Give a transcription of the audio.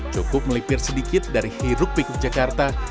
cukup melipir sedikit dari hirup pekuk jakarta